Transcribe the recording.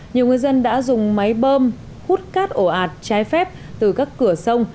nhiều người dân đã dùng máy bơm hút cát ổ ạt trái phép từ các cửa sông